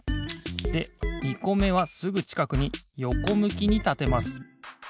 で２こめはすぐちかくによこむきにたてます。